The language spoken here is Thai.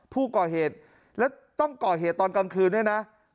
ผู้ก่อเหตุแล้วต้องก่อเหตุตอนกลางคืนด้วยนะ